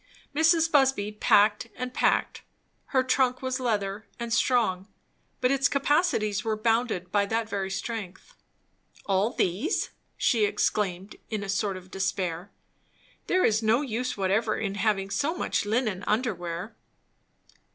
Mrs. Busby packed and packed. Her trunk was leather, and strong, but its capacities were bounded by that very strength. "All these!" she exclaimed in a sort of despair. "There is no use whatever in having so much linen under wear."